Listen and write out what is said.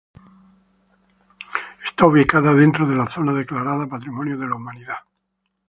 Está ubicada dentro de la zona declarada Patrimonio de la Humanidad.